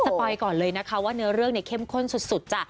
ไปก่อนเลยนะคะว่าเนื้อเรื่องเนี่ยเข้มข้นสุดจ้ะ